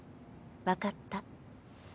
分かった。